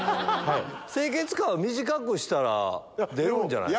清潔感は短くしたら出るんじゃないの？